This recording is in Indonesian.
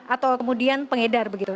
atau kemudian pengedar begitu